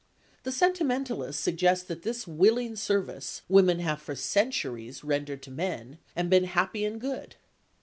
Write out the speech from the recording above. The sentimentalists suggest that this willing service women have for centuries rendered to men, and been happy and good.